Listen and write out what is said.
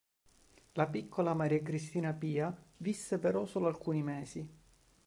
La piccola Maria Cristina Pia visse però solo alcuni mesi.